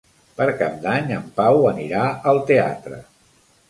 Per Cap d'Any en Pau anirà al teatre.